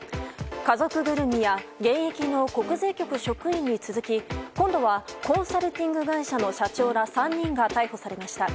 家族ぐるみや現役の国税局職員に続き今度はコンサルティング会社の社長ら３人が逮捕されました。